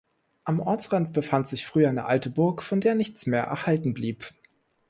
Am Ortsrand befand sich früher eine alte Burg, von der nichts mehr erhalten blieb.